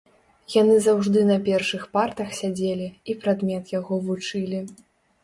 Яны заўжды на першых партах сядзелі і прадмет яго вучылі.